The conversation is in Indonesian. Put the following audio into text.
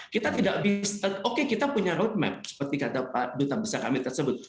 kita tidak bisa oke kita punya roadmap seperti kata pak duta besar kami tersebut